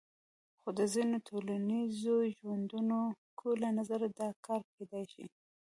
خو د ځینو ټولنپېژندونکو له نظره دا کار کېدای شي.